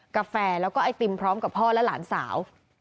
กาแฟแล้วก็ไอติมพร้อมกับพ่อและหลานสาว